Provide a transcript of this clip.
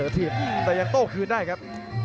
ถีบแต่ยังโต้คืนได้ครับ